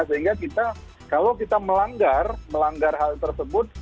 sehingga kita kalau kita melanggar melanggar hal tersebut